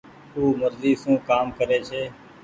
او مرزي سون ڪآم ڪري ڇي۔